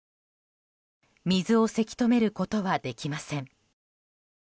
水をせき止めることはできません。